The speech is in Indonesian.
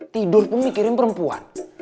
tidur pemikirin perempuan